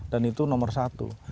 dan itu nomor satu